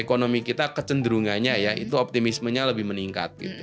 ekonomi kita kecenderungannya ya itu optimismenya lebih meningkat